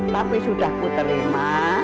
tapi sudah kuterima